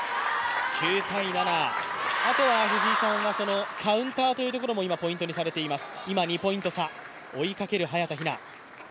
あとはカウンターというところもポイントにされています。